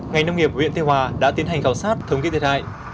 ngành nông nghiệp viện tiêu hòa đã tiến hành khảo sát thống ký thiệt hại